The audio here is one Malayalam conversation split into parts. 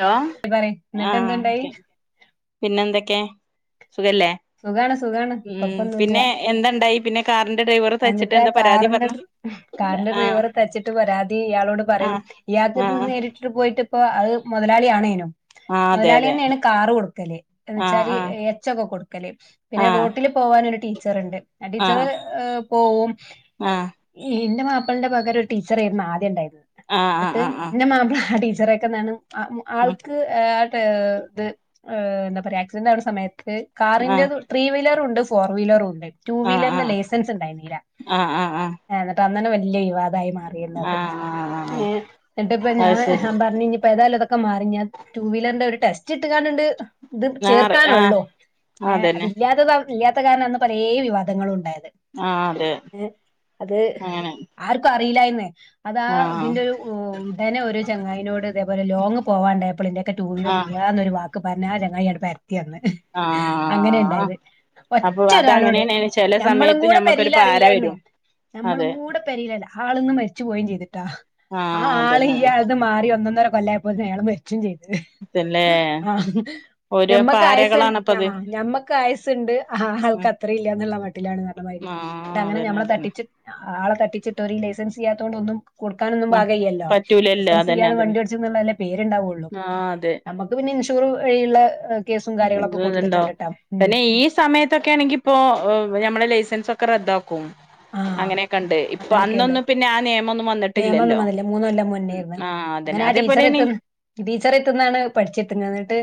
ഹലോ പറയ് എന്നിട്ട് ആഹ് എന്തുണ്ടായി ഓക്കെ പിന്നെന്തൊക്കെ സുഖല്ലേ സുഖാണ് സുഖാണ് ഉം കൊഴപ്പൊന്നുല്ല പിന്നെ എന്തണ്ടായി പിന്നെ കാറിന്റെ ഡ്രൈവറ് തച്ചിട്ട് എന്നിട്ട് ആ എന്താ പരാതി കാറിന്റെ പറഞ്ഞ് ഡ്ര- കാറിന്റെ ഡ്രൈവറെ തച്ചിട്ട് പരാതി ഇയാളോട് പറയും ആഹ് ഇയാൾക്ക് ആഹ് നേരിട്ട് പോയിട്ട്പ്പോ അത് മുതലളിയാണേനും ആഹ് അതെ മുതലാളി അതെ തന്നെയാണ് കാറ് കൊടുക്കല് എന്ന ആഹ് വെച്ചാല് ആഹ് എച്ചൊക്കെ കൊടുക്കല് പിന്നെ ആഹ് റോട്ടില് പോവാനൊരു ടീച്ചറുണ്ട് ആ ടീച്ചർ പോവും ആഹ് എന്റെ മാപ്പളന്റെ പകം ഒരു ടീച്ചറായിയിരുന്നു ആദ്യം ഉണ്ടായിരുന്നത് ആഹ് ആഹ് ആഹ് എന്നിട്ട് ആഹ് ആഹ് എന്റെ മാപ്പിള ആ ടീച്ചറെ ഉം ആൾക്ക് ഇത്ഹ് എന്താ പറയാ ആക്സിഡന്റ് ആവുന്ന സമയത്ത് കാറിന്റെ ആഹ് ത്രീ വീലറുണ്ട് ഫോർ വീലറും ഉണ്ട് ടു ആഹ് വീലറിന്റെ ആഹ് ലൈസൻസ് ഉണ്ടായിര്ന്നീലാ ആഹ് ആഹ് ആഹ് ആഹ് ആഹ് എന്നിട്ട് അന്നന്നെ വലിയ വിവാദമായി മാറി ആഹ് എന്നിട്ടിപ്പം അത് ശരി ഞാൻ പറഞ്ഞു ഇഞ്ഞിപ്പോ ഏതായാലും ഒക്കെ മാറി ഞ്ഞാ ടു വീലറിന്റെ ഒരു ടെസ്റ്റ് ഇട്ട് കാണ്ട് ഇത് ആഹ് ആഹ് ചേർക്കാനൊള്ളൂ ഏഹ് അതന്നെ അതില്ലാത്തത ഇല്ലാത്ത കാരണാണ് അന്ന് പലേ വിവാദങ്ങളും ഉണ്ടായത് ആഹ് അതെ ഏ അത് അങ്ങനെ ആർക്കും അറിയില്ലന്നേ അതാ ആഹ് ഇതിന്റെ ഒരു ഉടനെ ഒരു ചങ്ങായിനോട് ഇതേപോലെ ലോങ്ങ് പോവാണ്ടായപ്പൾ ഇന്റെയക്ക ടു വീലർ ആഹ് ഇല്ലാന്നൊരു വാക്ക് പറഞ്ഞ ആ ചങ്ങായി ആടെ പരത്തി അന്ന് അങ്ങനെ ആഹ് ഉണ്ടായത് അപ്പൊ ഒറ്റൊരാളോട് അതങ്ങനെയാണ് ചെല ഞമ്മളും സമയത്ത് കൂടെ ഞമ്മക്കൊരു പെരേല് പാര അറിയില്ലായിരുന്ന് വരും നമ്മളും അതെ കൂടെ പെരേലല്ല ആളിന്ന് മരിച്ചു പോയും ചെയ്തിട്ടാ ആ ആഹ് ആള് അതന്നെ ഈ അതെ മാറി ഒന്നൊന്നര കൊല്ലായപ്പോത്തെ അയാൾ മരി ച്ചും ചെയ്ത് അതല്ലേ ആ ഓരോ ഞമ്മക്ക് ആയുസ്സ് പാരകളാണിപ്പത് ആഹ് ഞമ്മക്ക് ആയസ്സുണ്ട് ആഹ് ആൾക്ക് ഉം അത്രയും ഇല്ലാന്നുള്ള മട്ടിലാണ് നടന്നിരുന്നത് ആഹ് ഇട്ട അങ്ങനെ അതന്നെ ഞമ്മളെ അതന്നെ തട്ടിച്ച് ആളെ തട്ടിച്ചിട്ട് ഓരെ ലൈസൻസ് ഇല്ലാത്തോണ്ടൊന്നും കൊടുക്കാനൊന്നും ആഹ് പാകല്ലല്ലോ പറ്റൂലല്ലോ ലൈസെൻസ് അതന്നെ ഇല്ലാതെ അതന്നെ വണ്ടി ഓടിച്ചന്നുള്ളല്ലേ പേര്ണ്ടാവുള്ളു ആഹ് അതെ നമുക്ക് പിന്നെ ഇൻഷൂർ വഴിയുള്ള കേസും കാര്യങ്ങളൊക്കെ കൊടുത്തു ന്തോ പിന്നെ ഈ സമയത്തൊക്കെ ആണെങ്കിപ്പോ നമ്മളെ ലൈസൻസൊക്കെ റദ്ദാക്കും ആഹ് അങ്ങനെയൊക്കെണ്ട് ഇപ്പൊ അങ്ങനെയൊക്കെണ്ട് അന്നൊന്നും പിന്നെ ആ നിയമൊന്നും നിയമൊന്നും വന്നിട്ടില്ലല്ലോ വന്നില്ല മൂന്ന് കൊല്ലം ആഹ് അതന്നെ അതേപോലെ ഇനി ടീച്ചറെത്തുന്നാണ് പഠിച്ചെത്തുന്നത് എന്നിട്ട്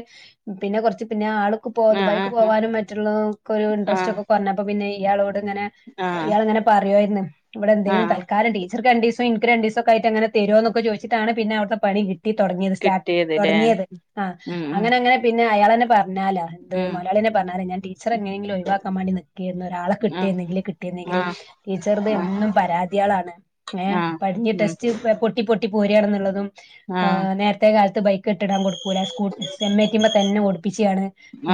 പിന്നെ കുറച്ച് പിന്നെ ആൾ ഉപ്പൊ ആഹ് ദുബായിക്ക് ആഹ് പോകാനും മറ്റുള്ളതൊക്കെ ഒരു ഇൻടറസ്റ്റ് ആഹ് ഒക്കെ കുറഞ്ഞപ്പൊ പിന്നെ ഇയാളോട് ഇങ്ങനെ ആഹ് ഇയാൾ ഇങ്ങനെ പറയുവായിരുന്നു ഇവിടെ എന്തെങ്കിലും ആഹ് തൽക്കാലം ടീച്ചർക്ക് ഇൻക്ക് രണ്ടീസം ഒക്കെ ആയി അങ്ങനെ തരുമോന്നൊക്കെ ചോദിച്ചിട്ടാണ് പിന്നെ അവിടെ പണി കിട്ടി തുടങ്ങിയത് സ്റ്റാർ കിട്ടിയത് ല്ലേ തുടങ്ങിയത് ആഹ് ഉം അങ്ങനെ അങ്ങനെ പിന്നെ അയാളെന്നെ പറഞ്ഞാലാ എന്ത്‌ ഉം മൊയലാളി ന്നെ പറഞ്ഞാല ഞാൻ ടീച്ചർ എങ്ങനെങ്കിലും ഒഴിവാക്കൻ വേണ്ടി നി കേറുന്ന ഒരാളെ ഉം ആഹ് കിട്ടിരുന്നെങ്കിൽ ൽ ടീച്ചറത് ആഹ് എന്നും പരാതികളാണ് ഏഹ് ആഹ് ആഹ് പഠിഞ്ഞ് ഉം ടെസ്റ്റ്‌ പൊട്ടി പൊട്ടി പോരണുള്ളതും ആഹ് നേരത്തെ കാലത്ത് ബൈ - കെട്ടിടാൻ കൊടുക്കൂല്ല സ്കൂ എം ഐ ടിമ്മ തന്നെ ഓടിപ്പിച്ചയാണ്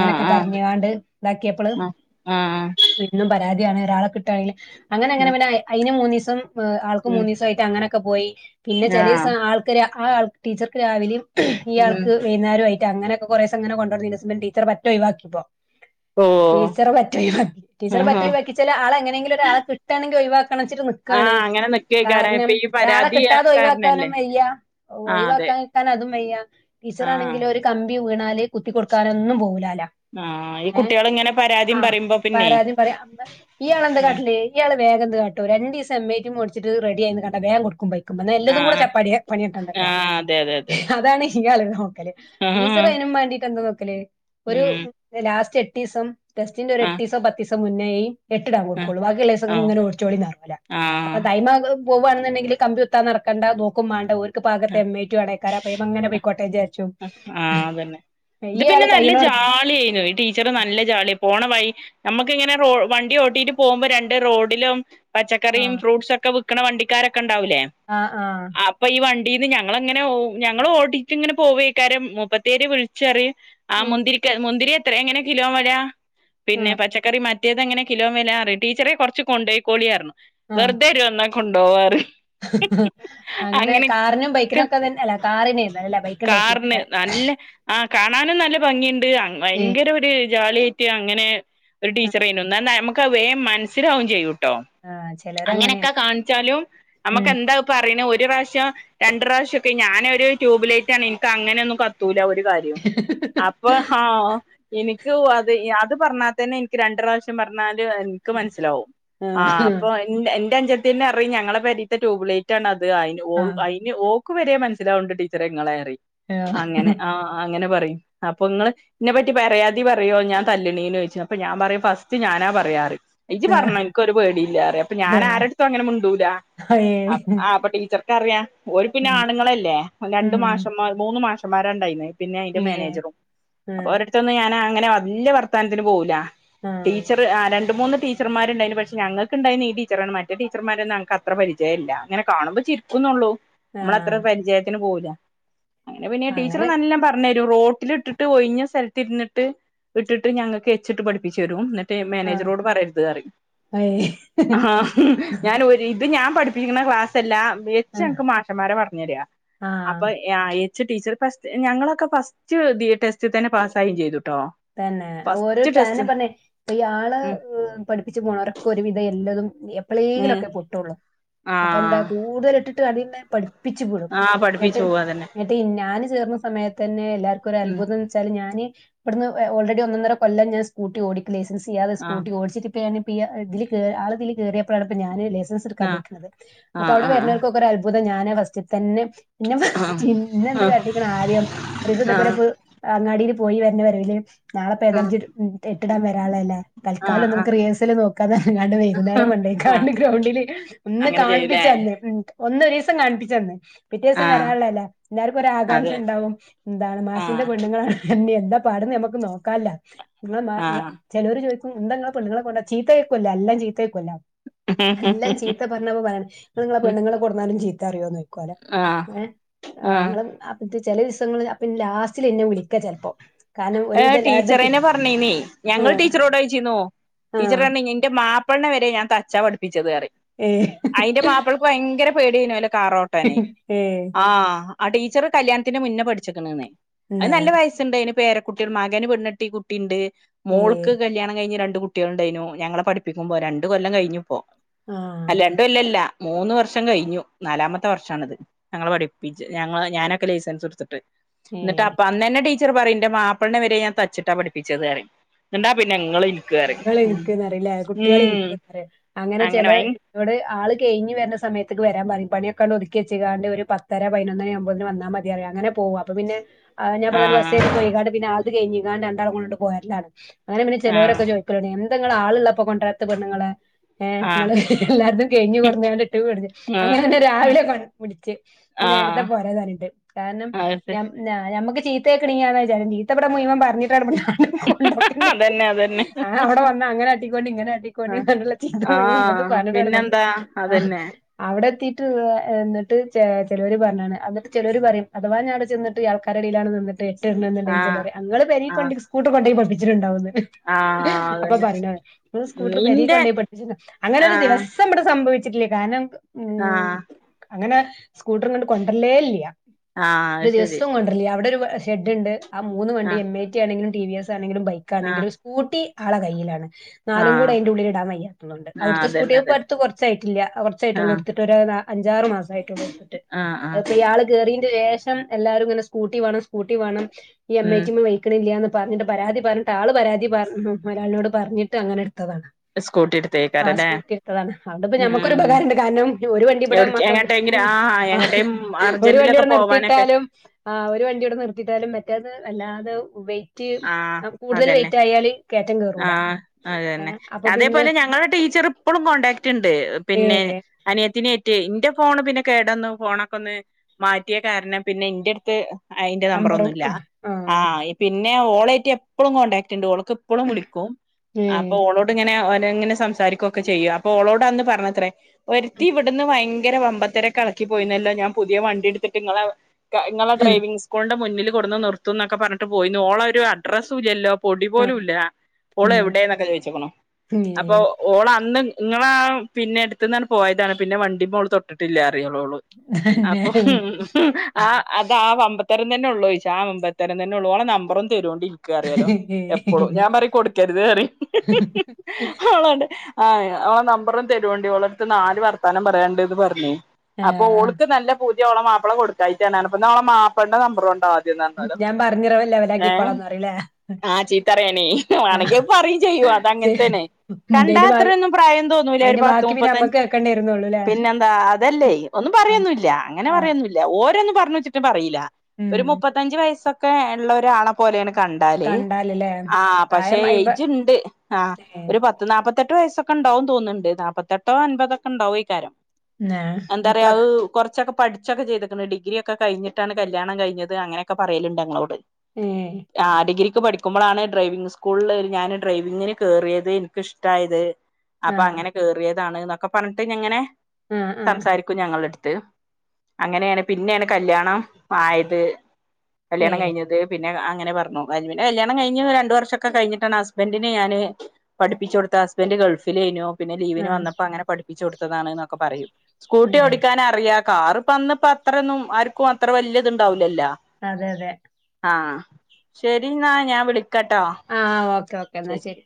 ആഹ് ആഹ് പറഞ്ഞങ്ങാണ്ട് ഇതാക്കിയപ്പോള് ആഹ് ആഹ് എന്നും പരാതിയാണ് ഒരാളെ കിട്ടാനില്ല അങ്ങനെ അങ്ങനെ പിന്നെ അയിനു മൂന്നു ദിവസം ആൾക്ക് ഉം മൂന്ന് ദിവസായി അങ്ങനെയൊക്കെ പോയി പിന്നെ ചില ആഹ് ദിവസം ആൾക്ക് രാ ആ ടീച്ചർക്ക് രാവിലെയും ഈ ഉം ആൾക്ക് വൈന്നേരുമായിട്ട് അങ്ങനെക്കെ കുറേസം അങ്ങനെ കൊണ്ടോടിത്തിനു ടീച്ചറെ പറ്റെ ഒഴിവാക്കിപ്പോ ഓ ടീച്ചറെ പറ്റ ഒഴിവാ ടീച്ചറെ പറ്റ ആഹാ ഒഴിവാക്കിച്ചാൽ ആൾ എങ്ങനെ ലും ഒരാളെ കിട്ടാണെങ്കിൽ ഒഴിവാക്കന്ന്‌ വിചാരിച്ചിട്ട് നി ക്കാണ് ആഹ് അങ്ങനെ നിക്കേക്കാരം കാരണം ഇപ്പൊ ഈ ഒരാളെ പരാതി കിട്ടാതെ ഒഴിവാക്കാനും കാരനല്ലേ വയ്യ ആഹ് അതെ ഒഴിവാക്കാ ക്കാൻ അതും വയ്യ ആഹ് ടീച്ചറാണെങ്കിലും ഒരു കമ്പി വീണാല് കുത്തി കൊടുക്കാനൊന്നും പോകൂലാല ആഹ് ഈ ഏഹ് കുട്ടികൾ ഇങ്ങനെ പരാതിയും ആഹ് പറയുമ്പോ പിന്നെ വേറാരെലും പറയും ഈ ആള് ഉം എന്തക്കാട്ടി ഇയാള് വേഗം എന്ത്‌ കാട്ടും രണ്ട് ദിവസം എം ഐ ടിമ്മേ ഓടിച്ചിട്ട് റെഡിയയിന്ന് കണ്ട വേഗം കൊടുക്കും പോയി നല്ലതും കൂടെ ആഹ് ചപ്പാടി പണിയെടുക്കണ്ടല്ലോ ആഹ് അതെ അതെ അതെ അതാണ് ഈ ആള് നോക്കല് ടീച്ചർ ആഹ് അതിനും വേണ്ടീട്ട് എന്ത്‌ നോക്കല് ഒരു ഉം ലാസ്റ്റ് എട്ട് ദിവസം ടെസ്റ്റിന്റെ ഒരു ആഹ് എട്ടീസോ പത്തീസോ മുന്നേ ആയി എട്ടിടാവും കൊളു ആഹ് വാക്കിയുള്ളസൊങ്ങനെ ഒഴിച്ചോളി അപ്പൊ ആഹ് ടൈ പോകവാണുണ്ടെങ്കിൽ കമ്പി കുത്താൻ നടക്കണ്ട നോക്കും വേണ്ട ഓർക്ക് ഭാഗത്തെ ആഹ് എം ഐ ടി ആടക്കാര അങ്ങനെ പോയി കോട്ടെ ആഹ് അതന്നെ ഇത് ആള് പിന്നെ നല്ല കൈയിനോട് ജാളി ആയിനു ടീ ടീച്ചറ് നല്ല ജാളി പോണ വൈ നമുക്ക് ഇങ്ങനെ റോ വണ്ടി ഓട്ടിട്ട് പോകുമ്പോ രണ്ട് റോഡിലും ആ പച്ചക്കറിയും ഫ്രൂട്ട്സും ഒക്കെ വിൽക്കണ വണ്ടിക്കാരൊക്കെ ഉണ്ടാവൂലേ ആഹ് ആഹ് അപ്പൊ ഈ വണ്ടീന്ന് ഞങ്ങളിങ്ങനെ ഞങ്ങൾ ഓട്ടിട്ടിങ്ങനെ പോവേക്കാരും മുപ്പത്തേര് വിളിച്ച് പറയും ആഹ് ഉം, മുന്തിരിക്ക് മുന്തിരി എത്ര എങ്ങനെ കിലോ വരാ ആ പിന്നെ പച്ചക്ക ക്കറി മറ്റേതെങ്ങനെ കിലോ വെല ടീച്ചറെ കുറച്ച് കൊണ്ടോയിക്കോളി പറഞ്ഞു ആ വെറുതെ ഓരു കൊണ്ടോവ പറയും അങ്ങനെ കാറിനും ബൈക്കിനും ഒക്കെ തന്നെ അല്ല കാറിന് കാറിന് നല്ല ആഹ് കാണാനും നല്ല ഭംഗി ഇണ്ട് ഭയങ്കര ഒരു ജോളി അങ്ങനെ ഒരു ടീച്ചറേനു ഇന്നാ ഇമ്മക്ക് അത് വേം മനസ്സിലാവും ചെയ്യൂട്ടോ ചിലരങ്ങനെയാണ് അങ്ങനെക്കെ കാണിച്ചാലും നമുക്ക് ഉം. എന്താ പറയെണ ഒരു പ്രാവശ്യം രണ്ട് പ്രാവശ്യം ഒക്കെ ഞാനൊരു ട്യൂബ് ലൈറ്റ് ആണ് ഇനിക്ക് അങ്ങനെ ഒന്നും കത്തൂല ഒരു കാര്യം അപ്പൊ ആഹ് ഇൻക്ക് അത് അത് പറഞ്ഞാൽ തന്നെ രണ്ട് പ്രാശ്യം പറഞ്ഞാല് ഇനിക്ക് മനസ്സിലാവും ആഹ് ആ. അപ്പൊ എന്റെ അഞ്ചത്തിന്നെ പറയും ഞങ്ങളെ പെരിത്തെ ട്യൂബ് ലൈറ്റ് ആണ് അത് അതിന് ഓ ഐ ഈ ഓക്ക് വരെ മനസ്സിലാവ്ണ്ട് ടീച്ചറെ ഇങ്ങളെ പറിയും അങ്ങനെ ആഹ് അങ്ങനെ പറയും അപ്പൊ ഇങ്ങള് ഇന്നെപ്പറ്റി പരാതി പറയോ ഞാൻ തല്ല്ണേന്ന് ചോദിച്ചു അപ്പൊ ഞാൻ പറയും ഫസ്റ്റ് ഞാനാ പറയാറ് ഇജി പറഞ്ഞോ ഇനിക്കൊരു പേടിയില്ലാറിയും അപ്പൊ ഞാൻ ആരടുത്തും അങ്ങനെ മിണ്ടൂല അപ്പൊ ടീച്ചർ ഇനിക്കറിയാം ഓരു പിന്നെ ആണുങ്ങളല്ലേ രണ്ടു മാഷ്ന്മാർ മൂന്ന് മാഷന്മാരാണ്ടായിന്നേ പിന്നെ അതിന്റെ മാനേജറും അപ്പൊ ഓരെട്ത്തൊന്നും ഞാൻ അങ്ങനെ വല്യ വർത്താനത്തിന് പോവൂല ടീച്ചർ ആഹ് രണ്ട് മൂന്ന് ടീച്ച ടീച്ചർ മാരുണ്ടായിരുന്നു പക്ഷെ ഞങ്ങൾക്ക്ണ്ടായിനി ഈ ടീച്ചർ ആണ് മറ്റ ടീച്ചർമാരെന്നും ഞങ്ങക്ക് അത്ര പരിചയല്ല ഇങ്ങനെ കാണുമ്പോ ചിരിക്കുന്നൊള്ളു നമ്മള് അത്ര പരിചയത്തിന് പോവുല അങ്ങനെ പിന്നെ ടീച്ചർ അങ്ങനെ, നല്ലം പറഞ്ഞെരും റോട്ടിലിട്ടിട്ട് ഇട്ട് ഒഴിഞ്ഞ സ്ഥലത്ത് ഇര്ന്നിട്ട് ഇട്ടിട്ട് ഞങ്ങൾക്ക് എച്ച് ഇട്ട് പഠിപ്പിച്ചെരും എന്നിട്ട് മാനേജറോട് പറയരുത് പറയും അയ് ആഹ് ഞാൻ ഒരു ഇത് ഞാൻ പഠിപ്പിക്കുന്ന ക്ലാസ് അല്ലാ എച്ച് ഞങ്ങക്ക് മാഷ്മാരാ പറഞ്ഞെരാ ആഹ എച്ച് ടീച്ചർ ഞങ്ങളൊക്കെ ഫസ്റ്റ് ടെസ്റ്റ് തന്നെ പാസ്സായും ചെയ്തുട്ടോ തന്നെ ഓരോ ഫസ്റ്റ് ടെസ്റ്റ് അയെന്നെ പറഞ്ഞേ ഇപ്പൊ ഇയാള് ഉം പഠിപ്പിച്ച് പോണോരൊക്കെ ഒരുവിധം എല്ലതും എപ്പളേങ്കിലും ഉം ഒക്കെ പൊട്ടുള്ളൂ അപ്പൊ ആഹ് എന്താക്കും കൂടുതൽ ഇട്ടിട്ട് അതിന്നെ പഠിപ്പിച്ചുവിടും ആഹ് പഠിപ്പിച്ചു ഇന്നിട്ട് പോവാ അതന്നെ ട്ട് ഞാന് ചേർന്ന സമയത്ത് തന്നെ എല്ലാർക്കും ഒരു ഉം അത്ഭുതം എന്ന് വെച്ചാല് ഞാന് ഇവിട്ന്ന് ഓൾ റെഡി ഒന്ന് ഒന്നര കൊല്ലം ഞാൻ സ്കൂട്ടി ഓടിക്കും ലൈസൻസ് ഇല്ലാതെ ആഹ് സ്കൂട്ടി ഓടിച്ചിട്ട് ഇതില് കേറി ആളെ ഇതില് കേറിയപ്പഴാണ് ഇപ്പൊ ഞാന് ലൈസൻസ് ഇടുക്കാൻ പറ്റുന്നത് അപ്പൊ ആഹ് അവിടെ ആഹ് വരുണോർക്കൊക്കെ ഒരു അത്ഭുതം ഞാന് ഫസ്റ്റിൽ തന്നെ ഇന്നെ മാറ്റി ആഹ് ഇന്നെ എന്ത് ആഹ് കാട്ടിയ്ക്കണത് ആദ്യം ഒരീസം ആഹ് ഇതെ പോലെ ആഹ് ഇ അങ്ങാടീൽ പോയി വരവിൽ നാളെപ്പൊ എതായാലും ജി എട്ട് ഇടാൻ വരാൻള്ളല്ലേ ആഹ് തൽക്കാലം ആഹ് നമക്ക് റിഹേ്ഴ്‌സൽ നോ പറഞ്ഞ്ങ്ങാണ്ട് വൈകുന്നേരം ആഹ് ആഹ് കൊണ്ടേയികാണ്ട് ഗ്രൗണ്ടില് ഒന്ന് അങ്ങനെ ചെയ്യൂലേ കാണപ്പിച്ചന്ന് ഒന്ന് ഒരീസം കാണിപ്പിച്ചന്ന് പിറ്റേ ദിവസം ആഹ് വരാനുള്ളല്ല എല്ലാർക്കും ഒരു ആകാംക്ഷ അതെ ഇണ്ടാവും എന്താണ് മാഷിന്റെ ആഹ് പെണ്ണുങ്ങളെ തന്നെ എന്താ ഇപ്പാട്ന്ന് ഞമ്മക്ക് നോക്കാലോ ആഹ് ചെലോര് ചോദിക്കും എന്താ ഇങ്ങളെ പെണ്ണ്ങ്ങളെ കൊണ്ട ചീത്തെക്കുല്ലോ നല്ലൊ ചീത്തേക്കുല്ലോ നല്ലം ചീത്ത പറഞ്ഞപ്പൊ പറയാണ് ഇങ്ങള് ഇങ്ങളെ പെണ്ണുങ്ങളെ കൊടന്നാലും ചീത്താറിയോ ചോയിക്കോലോ ആഹ് ആഹ് ചില ദിവസങ്ങളില് അപ്പ ലാസ്റ്റില് ഇന്നെ വിളിക്ക ചിലപ്പോ കാരണം ഏഹ ഒരുവിധം എല്ലാവരുടെയും കി ടീച്ചറെന്നെ പറഞ്ഞീനീ ഞങ്ങൾ ആഹ് ടീച്ചറോട് ചോയിച്ചിന്നു ടീച്ചർ ആഹ് പറഞ്ഞ് ഇന്റെ മാപ്ല നെ വരെ ഞാൻ തച്ചാ പഠിപ്പിച്ചന്ന് പറിയ്യും ഏഹ് അതിന്റെ മാപ്പൾക്ക് ഭയര പേടിയെനോലോ കാറോട്ടാന് ഏഹ് ആഹ ആ ടീച്ചറ് കല്യാണത്തിന് മുന്നേ പഠിച്ചിക്ക്ണ്ന്നേ അത് ന്നാ നല്ല വയസ്സുണ്ട് അതിന് പേര കുട്ട്യാള് മകന് പെണ്ണെട്ടി കുട്ടിണ്ട് ഏഹ് മോൾക്ക് കല്യാണം കഴ്ഞ് രണ്ട് കുട്ടി കുട്ട്യാള്ണ്ടെയ്നു ഞങ്ങളെ പഠിപ്പിക്കുമ്പോ രണ്ട് കൊല്ലം കഴിഞ്ഞു ഇപ്പൊ ആഹ് അല്ല രണ്ട് കൊല്ലല്ല മൂന്ന് വർഷം കഴ്ഞ്ഞു നാലാമത്തെ വർഷണ്ത് ഞങ്ങള് പഠിപ്പിച്ച് ഞാനൊക്കെ ലൈസൻസ് ഇട്ത്തിട്ട് എന്നിട്ട് ഏഹ് അപ്പൊ അന്നന്നെ ടീച്ചർ പറയും മാപ്പ മാപ്ലെനെ വരെ ഞാൻ തച്ചിട്ടാ പഠിപ്പിച്ചത് എന്നണ്ടാ പിന്നെ ഇങ്ങള് പറയും നിങ്ങൾ ഇനക്ക്ന്ന് അറില്ലേ കുട്ടികൾ ഉം ഇനക്ക് അങ്ങനെ ചെലെ ഇവിടെ ആള് കഴിഞ്ഞു സമയത്തേക്ക് വരാൻ പറയും പണിയൊക്കാണ്ട് ഒതുക്കവച്ച് കാണ്ട് ഒരു പത്തര പതിനൊന്നര ആകുമ്പോതിന് വന്നാൽ മതി മതി അറിം അങ്ങനെ പോകും അപ്പൊ പിന്നെ ആഹ് ഞാന് ബട്ന്ന് ബസ്സെരി പോയിക്കാണ്ട് പിന്നെ ആളത് കഴിഞ് രണ്ടാളും കൂടിങ് പോരലാണ് അങ്ങനെ പിന്നെ ചേലോരൊക്കെ ആഹ് എന്തെങ്ങള് ആള് ള്ളപ്പോ കൊണ്ടരാത്ത് പെണ്ണ്ങ്ങളെ ഏഹ് ആഹ് മ്മള് എല്ലാര്തും കയ്ഞ് കൊടുന്ന്ങ്ങാണ്ട് ഇട്ട് കൊട്ന്ന് ആഹ് അങ്ങനെ തന്നെ രാവിലെ കൺ പുട്ച്ച് ഇനി നേരത്തെ ആഹ് പോരാന്നറിണ്ട് കാരണം അത് ശരി ഞാൻ. ഞാ ഞമ്മക്ക് ചീത്തക്ണീനാന്നാ വിചാരം ചീത്തബടെ മുഴുവൻ പറഞ്ഞിട്ടാണ് [unintelligible] തന്നെ ആ അവിടെ വന്ന അങ്ങനെ ആട്ടിക്കോണ്ടി ഇങ്ങനെ ആട്ടിക്കോണ്ടി ആഹ് എന്നുള്ള ചീത്ത മുഴുവൻ ഇവിടുന്ന് ആഹ് പറഞ്ഞിട്ടാണ് കൊണ്ട് പിന്നെന്താ. ആ അതന്നെ അവിടെ എത്തിയിട്ട് ഏഹ് എന്നിട്ട് ചെ ചെലോര് പറ്ഞ്ണ് എന്നിട്ട് ചേലോര് പറയും അഥവാ ഞാൻ അവിടെ ചെന്നിട്ട് എള്ക്കം ആള്ക്കാരെടീലാണ് നിന്ന്ട്ട് എട്ട്ഇട്ണ്ന്ന്ണ്ടെങ്കിൽ ആഹ് ചിലോരറിം ഇങ്ങൾ ആഹ് പെരീകൊണ്ട് സ്കൂട്ട്റ് കൊണ്ടോയി പഠിപ്പിച്ചിട്ട്ണ്ടാവുന്ന്. ആഹ് അപ്പൊ അതന്നെ പറിണാതാ ഇങ്ങള് സ്കൂട്ടർ പെരി നിന്റെ കൊണ്ടോയി പഠിപ്പിച്ച്ണ് അങ്ങനെ ഒര് ആഹ് ദിവസം ഇബടെ സംഭവിച്ചില്ല സംഭവിച്ചിട്ടില്ല കാരണം ഉം ആഹ് അങ്ങനെ സ്കൂട്ടർങ്ങട്ട് കൊണ്ടരല്ലേല്ല്യ ആഹ് അത് ഒരു ശരി ദിവസം കൊണ്ട കൊണ്ടര്ലില്ല അവിടെ ഒരു ഷെഡ്ണ്ട് ആഹ് മൂന്ന് വണ്ടി ആഹ് എം ഐ ടി ആണങ്കിലും ടി വി എസ് ആണെങ്കിലും ആഹ് ബൈക്കണെങ്കിലും സ്കൂ സ്കൂട്ടി ആളെ കൈയിലാണ്. നാലും ആഹ് കൂടെ അയ്ന്റെ ഉള്ളില് ഇടാൻ വയ്യാത്തതോണ്ട് ആഹ് അവടുത്തെ അതന്നെ സ്കൂട്ടിപ്പോ അതന്നെ അടുത്ത് കുറച്ചായിട്ടില്ല കുറച്ചായിട്ടൊള്ളു ആഹ് ഇട്ത്ത് ഇപ്പൊരു അഞ്ചാറ് മാസമായിട്ടള്ളൂ എടുത്തിട്ട് ആഹ് ആഹ് അത്പ്പഇയാള് കേറീന്റെ ശേഷം എല്ലാരും ഇങ്ങനെ സ്കൂട്ടി വേണം സ്കൂട്ടി വേണം ഈ ഉം എമ്മേറ്റിമ്മെ വെയ്ക്ക്ണ് വെയ്ക്ക്ണില്യാന്ന് പറ്ഞ്ഞിട്ട് പരാതി പറ്ഞ്ഞിട്ട് ആള് പരാതി പറഞ് മൊയ്ലാളിനോട് പറഞ്ഞിട്ട് അങ്ങനെ ഇട്ത്തതാണ് സ്കൂട്ടി ആഹ് എടുത്തേക്കാരല്ലേ സ്കൂട്ടി ഇട്ത്തതാണ് അഓണ്ട്പ്പൊ ഞമ്മക്കൊരു ഉം ഉപകാരംണ്ട് കാരണം ഒരു വണ്ടി ഇവിടെ എവിട്ക്ക് മക്കക്ക്. എങ്ങട്ടെങ്കിലും പിന്നെ ആ എങ്ങട്ടേം ഒരു അർജന്റിലൊക്കെ വണ്ടിഅവ്ടെ പോവാനൊക്കെ നിർത്തിയിട്ടാലും. ആഹ് ഒരു വണ്ടി അവ്ടെ നിർത്തിട്ടാലും മറ്റെത് വല്ലാതെ വെയിറ്റ് കൂടുതൽ വയിറ്റ്. ആഹ് ഏ അതന്നെ അപ്പൊ പിന്നെ അതേപോലെ ഞങ്ങളുടെ ടീച്ചർ ഇപ്പഴും കോണ്ടാക്റ്റ്ണ്ട്. ഏ പിന്നെ അനിയത്തിനേറ്റ് ഇന്റെ ഫോണ് പിന്നെ കേടന്നു ഫോണൊക്കെ ഒന്ന്. മാറ്റിയ കാരണം പിന്നെ ഇന്റെട്ത്ത്. അയ്ന്റെ നമ്പറും നമ്പറൊന്നുല്ല ആ ആ ആഹ് പിന്നെ ഓളെ അയ്റ്റ് എപ്പളും കോണ്ടാക്റ്റ്ണ്ട് ഓൾ. ഓൾക്ക് ഇപ്പളും വിളിക്കും ഏ അപ്പൊ ഓളോട്ട് ഇങ്ങനെങ്ങനെ സംസാരിക്കൊക്കെ ഒക്കെ ചെയും അപ്പൊ ഓളോടന്ന് പറഞ്ഞത്രേ ഒരിത്തി ഇവ്ട്ന്ന് ഭയങ്കര വമ്പത്തരക്കളക്കി പോയ്നല്ലോ ഞാൻ പുതിയ വണ്ടിട്ത്തിട്ട്ങ്ങളെ ഇങ്ങളെ ഡ്രൈവിംഗ സ്ക മുന്നിൽ കൊട്ന്ന് നിർത്തും നിർത്തും ന്നൊക്കെ പറഞ്ട്ട് പോയ്ന്നു ഓളൊരു അഡ്രസ്സും ഇല്ലല്ലോ. പൊടി ആ പോലും ഇല്ല ഓള് ഉം എവിടെന്നൊക്കെ ചോയ്ച്ചുക്കുണു അപ്പൊ. ഏ ഓൾ അന്ന് ഇങ്ങളാ പിന്നെ എട്ത്ത്നാന്ന് പോയതാണ് പിന്നെ വണ്ടിമോള് തൊട്ടിട്ടില്ല. റിയൊലോള് തന്നെ അപ്പൊ ആഹ് അതാ വമ്പത്തരം തന്നെ ഉള്ളൊയ്ച്ചു ആഹ് വമ്പത്തരം തന്നെള്ളൂ ആഹ് ഓളെ നമ്പറൊന്നു തരോണ്ടി കൊട്ക്കാറിയോലോ ഏ എപ്പളും ഞാൻ പറയും കൊടുക്കരുത് പറയും അവളോട് ആഹ് ഓളെ നമ്പറൊന്ന് തേരൊണ്ടി ഓളെട്ത്ത് നാല് വർത്താനം പറയാണ്ട് പറ്ഞ്ഞു ആ അപ്പൊ ഓൾക്ക് നല്ല പുതിയ ഓളെ മാപ്പള കൊടുക്കായിട്ടാണ് പറ്ഞപ്പോ ന്നഓളെ മാപ്പ്ളന്റെ നമ്പറ് കൊണ്ടാ ഞാൻ പറഞ്ഞിറവല്ല വൻ. ഏഹ് ആഹ ചീത്തറയാനീ ആ വേണങ്കി പറയും ചെയ്യു അത ശരി. അങ്ങനത്തേന്നെ. ഇതിന്റെ ഭാഗ കണ്ടാത്രൊന്നും പ്രായം തോന്നൂല ഒരു അയിന്റെ പത്ത് ബാക്കി പിന്നെ നമ്മക്ക് മുപ്പത്തഞ്ച് കേക്കണ്ടേ വരുന്നുള്ളൂല്ലേ പിന്നെന്താ അതല്ലേ. ഒന്നും ആഹ് പറയൊന്നില്ല അങ്ങനെ ആഹ് പറയന്നില്ല. ല്ല ഓരൊന്നും പറഞ് വെച്ചിട് പറയില്ല ഉം ഒരു മുപ്പത്തഞ്ച് വയസൊക്കെ ഉള്ള ഒരാളെ. പോലെയാണ് കണ്ടാല് കണ്ടാലല്ലേ ആ പക്ഷെ പ്രായം അയ്മ്പ ഏജ്ണ്ട് ആ ഹ ഏഹ് ഒരു പത്ത്. നാപ്പത്തെട്ട് വയസ്സക്കെ ഉണ്ടാവുംന്ന് തോുന്നുണ്ട് നാപ്പത്തെട്ടോ അമ്പപതൊക്കെ ഉണ്ടാവുകാ രം. ആഹ് എന്തറയ അത്. മക്കളൊക്കെ കുറച്ചൊക്കെ പഠിച്ചൊക്കെ ചെയ്തിക്ക്ണ് ഡിഗ്രിക്കെ കഴിഞ്ഞിട്ടാണ് കല്യാണം കഴിഞ്ഞത് അങ്ങനൊക്കെ പറയലുണ്ട്ഞങ്ങളോട്. ഏഹ് ആഹ് ഡിഗ്രിക്ക് പഠിക്ക. ക്കുമ്പോളാണ് ഡ്രൈവിംഗ് സ്കൂളിൽ ഞാാന് ഡ്രൈവിങ്ങില് കേയറിയത് എനിക്ക് ഇഷ്ടായത് അപ്പൊ ആഹ് അങ്ങനെ. കേയറിയതാണ് എന്നൊക്കെ പറഞ്ഞിട്ട്ങ്ങനെ ആഹ് ആഹ് സംസാരിക്ക. ഞങ്ങളുടെടുത്ത് അങ്ങനെയാണ് പിന്നെയാണ് കല്യാണം ആയത്. കല്യാണം ഏഹ് കഴിഞ്ഞത്. പിന്നെ അങ്ങനെ പറഞ്ഞു പിന്നെ കല്യാണം കഴിഞ്ഞ് ഒരു രണ്ടു വർഷംക്കെ കിഞ്ഞിട്ടാണ് ഹസ്ബന്ഡിന് ഞാന്. പഠിപ്പിച് കൊടുത്ത ഹസ്ബൻഡറ് ഗൾഫിലേ നു. പിന്നെ ലീവിന് ആഹ് വന്നപ്പോ അങ്ങനെ പഠിപ്പിച്ച് കൊടുത്തതാണ്ന്നൊക്കെ പറയും സ്കൂട്ടി ഓടിക്കാൻ അറിയാ കാറ് അന്നപ്പോ അത്രൊന്നും ആർക്കും അത്ര വല്യത്ണ്ടാവില്ലല്ല അതെ അതെ ആഹ ശരി ന്നാ ഞാൻ വിളിക്കട്ടോ ആഹ ഓക്കെ ഓക്കെ എന്നാ ശരി